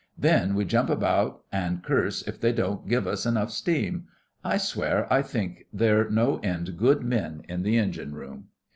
Then we jump about an' curse if they don't give us enough steam. I swear I think they're no end good men in the engine room!